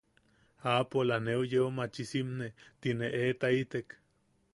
“aapola neu yeu machisimne”. Tine eetaitek.